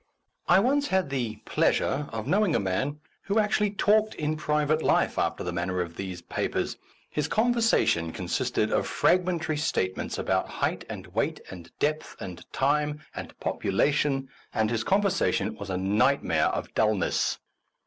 I once had the pleasure of knowing a man who actually talked in private life after the manner of these papers. His conversa tion consisted of fragramentary statements about height and weight and depth and time and population, and his conversation was a nightmare of dullness.